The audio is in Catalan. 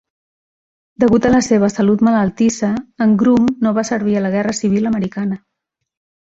Degut a la seva salut malaltissa, en Groome no va servir a la guerra civil americana.